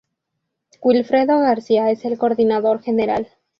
Wilfredo García es el Coordinador General.